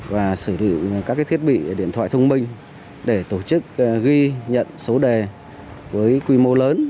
và sử dụng các thiết bị điện thoại thông minh để tổ chức ghi nhận số đề với quy mô lớn